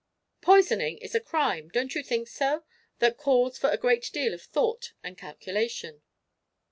"Poisoning is a crime don't you think so? that calls for a great deal of thought and calculation?"